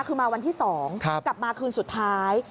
คือมาวันที่๒กลับมาคืนสุดท้าย